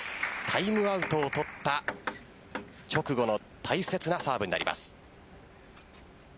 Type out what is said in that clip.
タイムアウトを取った直後の大切なサーブになります。